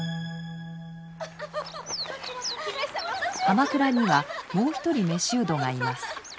鎌倉にはもう一人囚人がいます。